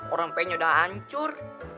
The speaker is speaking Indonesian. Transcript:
orang peyeknya udah hancur